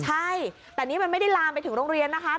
ใช่แต่นี่มันไม่ได้ลามไปถึงโรงเรียนนะคะ